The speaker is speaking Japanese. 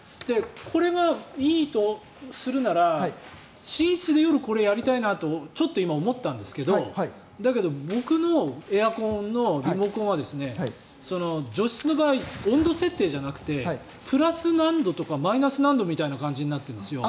これがいいとするなら寝室で夜、これをやりたいなとちょっと今、思ったんですけどだけど僕のエアコンのリモコンは除湿の場合、温度設定じゃなくてプラス何度とかマイナス何度みたいな感じになってるんですよ。